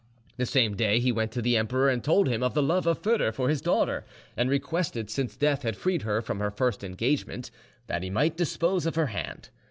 The same day he went to the emperor and told him of the love of Foedor for his daughter, and requested, since death had freed her from her first engagement, that he might dispose of her hand.